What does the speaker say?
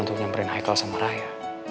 untuk nyamperin hicle sama raya